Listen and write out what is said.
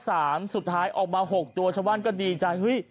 แรก๓สุดท้ายออกมา๖ตัวชาวบ้านก็ดีใจ